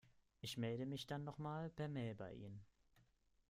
Ich melde mich dann noch mal per Mail bei Ihnen.